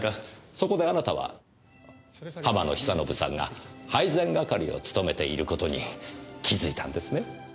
そこであなたは浜野久信さんが配膳係を務めている事に気づいたんですね。